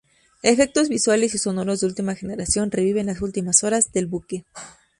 Efectos visuales y sonoros de última generación reviven las últimas horas del buque.